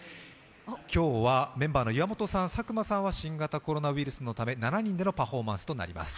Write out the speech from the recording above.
今日はメンバーの岩本さん、佐久間さんは新型コロナウイルスのため７人のパフォーマンスとなります。